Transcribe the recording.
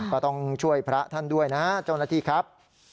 ก็ต้องช่วยพระท่านด้วยนะเจ้าหน้าที่ครับ